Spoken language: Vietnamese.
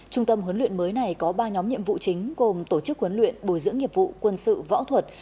trung tâm huấn luyện mới này có ba nhóm nhiệm vụ chính gồm tổ chức huấn luyện bồi dưỡng nghiệp vụ quân sự võ thuật